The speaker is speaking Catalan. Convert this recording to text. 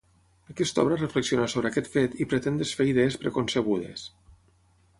Aquesta obra reflexiona sobre aquest fet i pretén desfer idees preconcebudes.